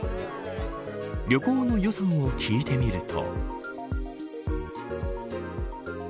旅行の予算を聞いてみると。